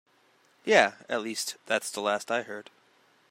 Yeah, at least that's the last I heard.